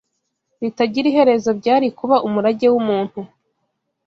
ritagira iherezo byari kuba umurage w’umuntu.